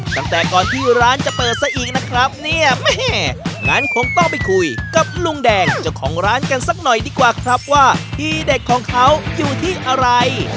ตั้งแต่ก่อนที่ร้านจะเปิดซะอีกนะครับเนี่ยแม่งั้นคงต้องไปคุยกับลุงแดงเจ้าของร้านกันสักหน่อยดีกว่าครับว่าทีเด็ดของเขาอยู่ที่อะไร